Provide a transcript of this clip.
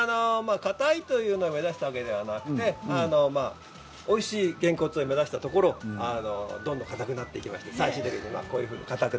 かたいというのを目指したわけではなくておいしいげんこつを目指したところ、どんどんかたくなっていきました。